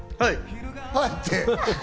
はい？